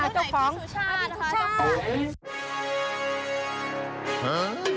เจ้าของพี่สุชาตินะคะ